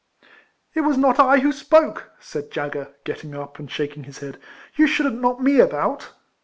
" It was not I who spoke," said dagger, getting up, and shaking his head. " You shouldn't knock me about."